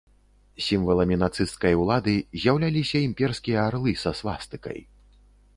Сімваламі нацысцкай ўлады з'яўляліся імперскія арлы са свастыкай.